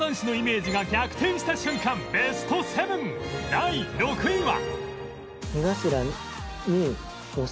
第６位は